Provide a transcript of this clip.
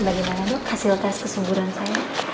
bagaimana lu hasil tes kesungguhan saya